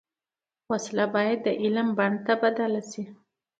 وسله باید د علم بڼ ته بدله شي